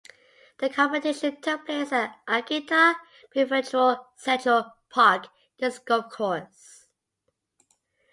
The competition took place at Akita Prefectural Central Park Disc Golf Course.